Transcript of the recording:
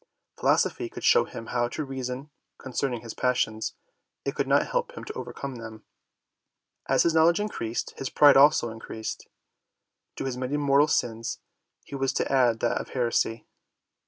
Philosophy could show him how to reason concern ing his passions : it could not help him to overcome them. As his knowledge increased, his pride also increased. To his many mortal sins he was to add that of heresy.